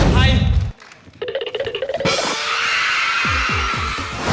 ใคร